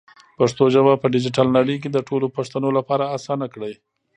پښتو ژبه په ډیجیټل نړۍ کې د ټولو پښتنو لپاره اسانه کړئ.